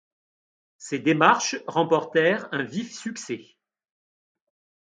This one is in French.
Ces démarches remportèrent un vif succès.